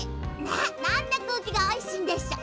なんてくうきがおいしいんでしょ。